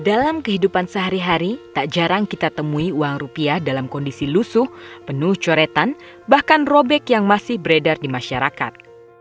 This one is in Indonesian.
dalam kehidupan sehari hari tak jarang kita temui uang rupiah dalam kondisi lusuh penuh coretan bahkan robek yang masih beredar di masyarakat